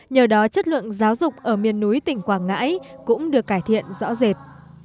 nhờ đó chất lượng giáo dục ở miền núi tỉnh quảng ngãi cũng được cải thiện rõ rệt